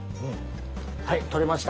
はい取れました。